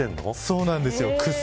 そうなんですよ。